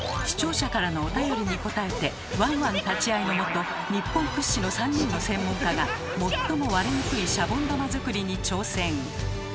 ⁉視聴者からのおたよりに応えてワンワン立ち会いのもと日本屈指の３人の専門家が最も割れにくいシャボン玉作りに挑戦！